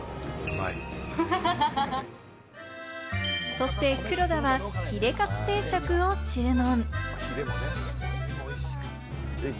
そして黒田はヒレかつ定食を注文。